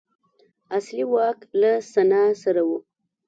اصلي واک له سنا سره و